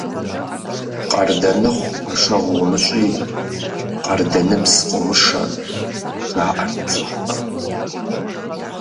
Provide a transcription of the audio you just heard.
«Къардэныхъу пэшэгъу умыщӀи, къардэныбз къыумышэ», – жаӀэрт цӀыхухэм.